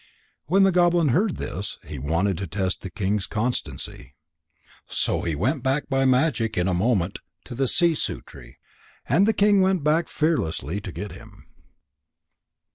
When the goblin heard this, he wanted to test the king's constancy. So he went back by magic in a moment to the sissoo tree. And the king went back fearlessly to get him.